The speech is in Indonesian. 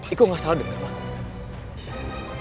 iko gak salah denger mama